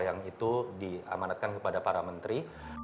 yang itu diamanatkan kepada para menteri